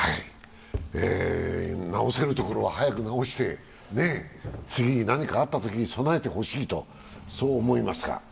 直せるところは早く直して、次に何かあったときに備えてほしいと思いますが。